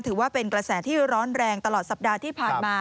ถือว่าเป็นกระแสที่ร้อนแรงตลอดสัปดาห์ที่ผ่านมา